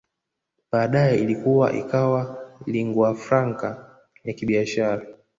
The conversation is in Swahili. Baadae ilikua ikawa linguafranca ya kibiashara